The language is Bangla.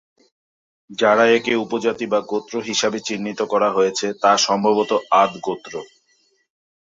যারা একে উপজাতি বা গোত্র হিসাবে চিহ্নিত করা হয়েছে, তা সম্ভবত আদ গোত্র।